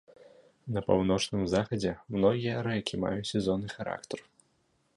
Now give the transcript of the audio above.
На паўночным захадзе многія рэкі маюць сезонны характар.